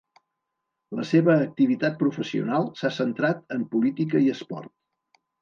La seva activitat professional s'ha centrat en política i esport.